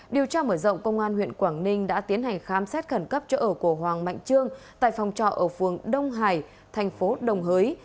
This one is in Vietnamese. điều tra mở rộng công an huyện quảng ninh đã tiến hành khám xét khẩn cấp chỗ ở của hoàng mạnh trương tại phòng trọ ở phường đông hải thành phố đồng hới